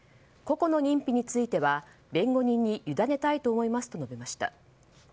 個々の認否については弁護人にゆだねたいと思いますと述べました。